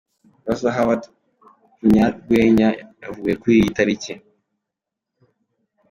Russel Howard, ukunyarwenya, yavutse kuri iyi tariki.